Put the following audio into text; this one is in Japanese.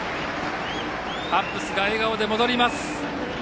ハッブスが笑顔で戻ります。